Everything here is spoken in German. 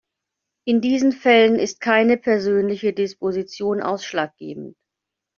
In diesen Fällen ist keine persönliche Disposition ausschlaggebend.